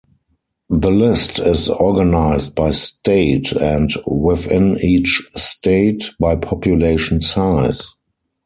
The list is organized by state and, within each state, by population size.